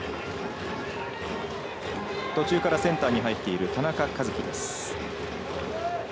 途中からセンターに入っている、田中和基です。